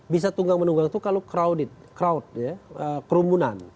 bisa tunggang menunggang itu kalau crowd ya kerumunan